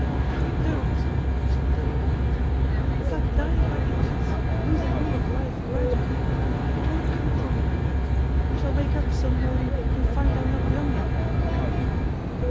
"Ah, don't," said Dodo quickly. "It's like dying by inches, losing hold of life gradually. It won't come to me like that. I shall wake up some morning and find I'm not young any more."